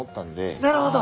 なるほど。